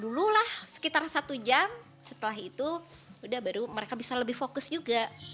dulu lah sekitar satu jam setelah itu udah baru mereka bisa lebih fokus juga